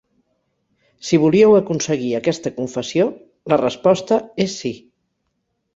Si volíeu aconseguir aquesta confessió, la resposta és sí.